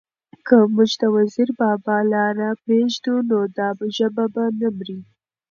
که موږ د وزیر بابا لاره پرېږدو؛ نو دا ژبه به نه مري،